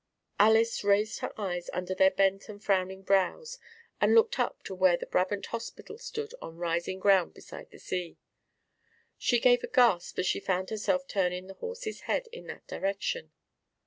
Alys raised her eyes under their bent and frowning brows and looked up to where the Brabant Hospital stood on rising ground beside the sea. She gave a gasp as she found herself turning the horse's head in that direction.